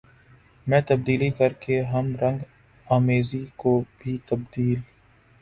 میں تبدیلی کر کے ہم رنگ آمیزی کو بھی تبدیل